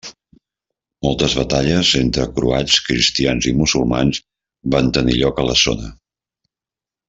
Moltes batalles entre croats cristians i musulmans van tenir lloc a la zona.